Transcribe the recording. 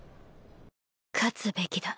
「勝つべきだ。